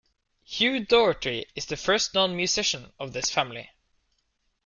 Hugh Doherty is the first known musician of this family.